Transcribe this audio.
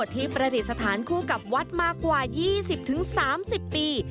ประดิษฐานคู่กับวัดมากว่า๒๐๓๐ปี